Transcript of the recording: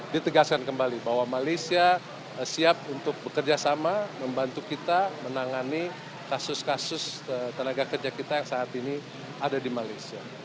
ditegaskan kembali bahwa malaysia siap untuk bekerja sama membantu kita menangani kasus kasus tenaga kerja kita yang saat ini ada di malaysia